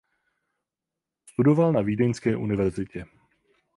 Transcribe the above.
Studoval na Vídeňské univerzitě.